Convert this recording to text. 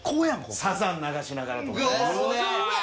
サザン流しながらとかね。